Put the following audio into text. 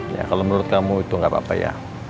ya kalau menurut kamu itu nggak apa apa ya